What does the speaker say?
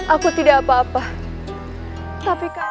aku tidak apa apa tapi kau